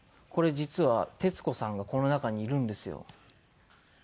これ実は徹子さんがこの中にいるんですよ。